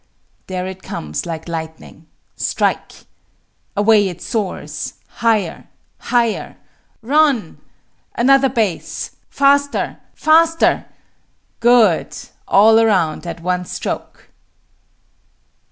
There it comes like lightning. Strike! Away it soars! Higher! Higher! Run! Another base! Faster! Faster! Good! All around at one stroke!